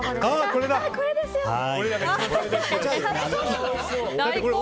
これですよ、これ！